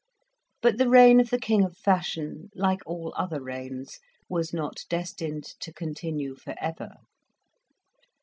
But the reign of the king of fashion, like all other reigns, was not destined to continue for ever.